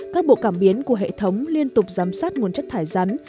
các bộ cảm biến của hệ thống liên tục giám sát nguồn chất thải rắn